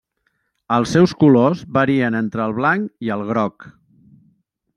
Els seus colors varien entre el blanc i el groc.